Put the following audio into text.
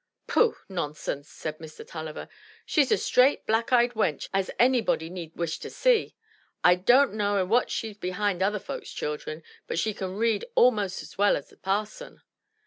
"Pooh, nonsense!" said Mr. Tulliver, "she's a straight, black eyed wench as anybody need wish to see. I don't know i' what she's behind other folks's children; and she can read almost as well as the parson."